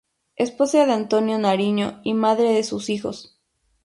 Esposa de Antonio Nariño y madre de sus hijos.